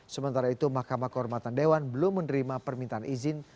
sementara itu mahkamah kehormatan dewan belum menerima permintaan izin